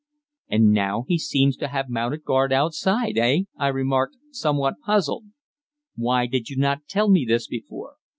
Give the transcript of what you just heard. "And now he seems to have mounted guard outside, eh?" I remarked, somewhat puzzled. "Why did you not tell me this before?"